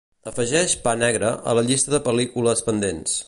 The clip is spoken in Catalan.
Afegeix "Pa negre" a la llista de pel·lícules pendents.